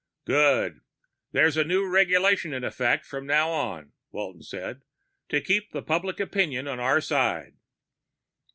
"Good. There's a new regulation in effect from now on," Walton said. "To keep public opinion on our side."